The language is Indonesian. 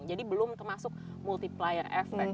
jadi belum termasuk multiplier effect